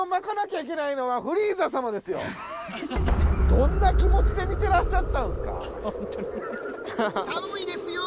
どんな気もちで見てらっしゃったんですか？